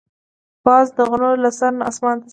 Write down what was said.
باز د غرونو له سر نه آسمان ته ځي